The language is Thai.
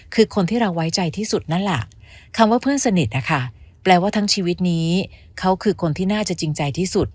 คือคนที่เราไว้ใจที่สุดนั่นแหละคำว่าเพื่อนสนิทนะคะแปลว่าทั้งชีวิตนี้เขาคือคนที่น่าจะจริงใจที่สุด